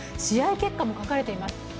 結果も書かれています。